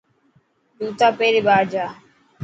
جوتا پيري ٻاهر جا.